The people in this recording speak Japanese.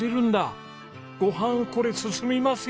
ご飯これ進みますよ！